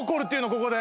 ここで。